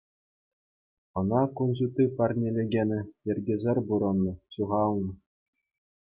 Ӑна кун ҫути парнелекенӗ йӗркесӗр пурӑннӑ, ҫухалнӑ.